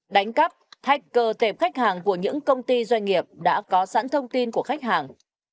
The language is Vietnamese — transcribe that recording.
hai đánh cắp thách cơ tệp khách hàng của những công ty doanh nghiệp đã có sẵn thông tin của khách hàng